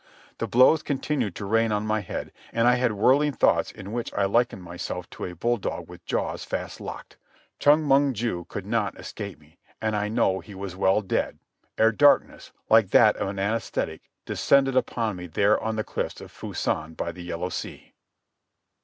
The blows continued to rain on my head, and I had whirling thoughts in which I likened myself to a bulldog with jaws fast locked. Chong Mong ju could not escape me, and I know he was well dead ere darkness, like that of an anæsthetic, descended upon me there on the cliffs of Fusan by the Yellow Sea.